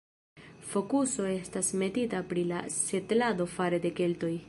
Fokuso estas metita pri la setlado fare de keltoj.